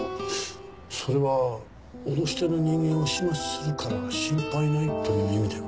それは「脅してる人間を始末するから心配ない」という意味では？